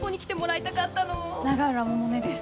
永浦百音です。